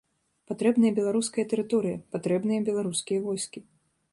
Патрэбная беларуская тэрыторыя, патрэбныя беларускія войскі.